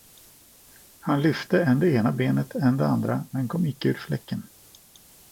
Han lyfte än det ena benet än det andra men kom icke ur fläcken.